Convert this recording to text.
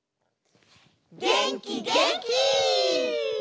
げんきげんき！